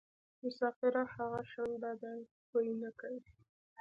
مسافره هغه شڼډه ده پۍ نکوي.